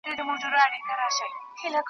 داسي اور دی چي نه مري او نه سړیږي .